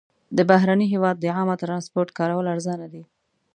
د بهرني هېواد د عامه ترانسپورټ کارول ارزانه دي.